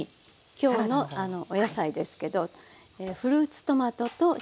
今日のお野菜ですけどフルーツトマトと新たまねぎですね。